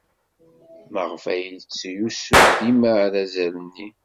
Maɣef ay yettlusu dima arazal-nni?